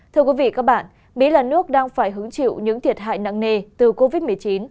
thưa quý vị các bạn mỹ là nước đang phải hứng chịu những thiệt hại nặng nề từ covid một mươi chín